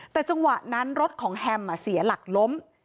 แต่จังหวะนั้นรถของแฮมเสียหลักล้ม